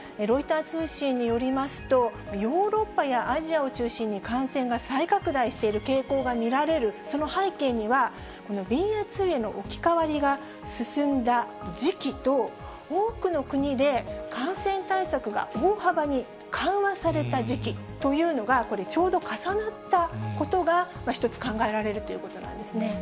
ロイター通信によりますと、ヨーロッパやアジアを中心に、感染が再拡大している傾向が見られるその背景には、このＢＡ．２への置き換わりが進んだ時期と、多くの国で感染対策が大幅に緩和された時期というのが、ちょうど重なったことが一つ、考えられるということなんですね。